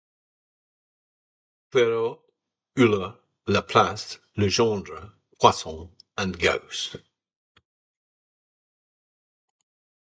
Clairaut, Euler, Laplace, Legendre, Poisson and Gauss.